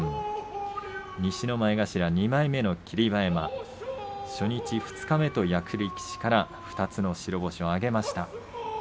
西の前頭２枚目の霧馬山初日、二日目と、役力士から２つの白星を挙げました。